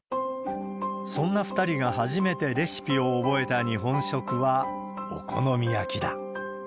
そんな２人が初めてレシピを覚えた日本食は、お好み焼きだ。